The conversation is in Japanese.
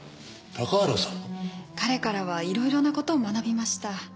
彼からは色々な事を学びました。